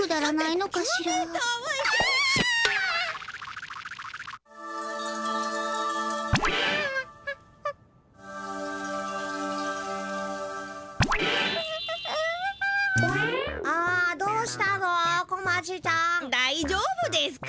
だいじょうぶですか？